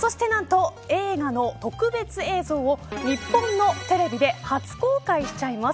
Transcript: そしてなんと映画の特別映像を日本のテレビで初公開しちゃいます。